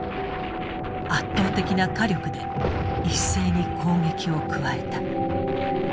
圧倒的な火力で一斉に攻撃を加えた。